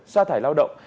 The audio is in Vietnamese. sa thải lao động